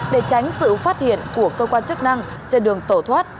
để tránh sự phát hiện của cơ quan chức năng trên đường tổ thoát